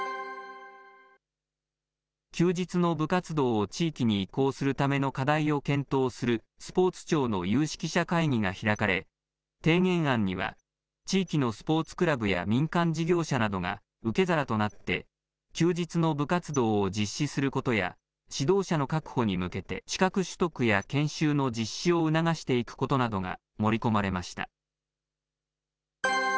休日の部活動を地域に移行するための課題を検討するスポーツ庁の有識者会議が開かれ、提言案には、地域のスポーツクラブや民間事業者などが受け皿となって、休日の部活動を実施することや、指導者の確保に向けて、資格取得や研修の実施を促していくことなどが盛り込まれました。